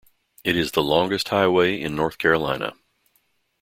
It is the longest highway in North Carolina.